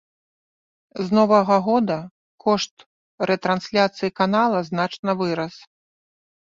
З новага года кошт рэтрансляцыі канала значна вырас.